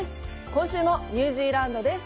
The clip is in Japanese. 今週もニュージーランドです。